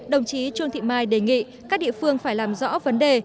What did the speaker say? đồng chí trương thị mai đề nghị các địa phương phải làm rõ vấn đề